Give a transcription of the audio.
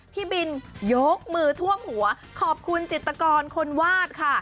พี่บินยกมือท่วมหัวขอบคุณจิตกรคนวาดค่ะ